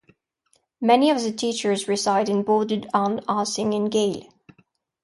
Many of the teachers reside in board-owned housing in Gail.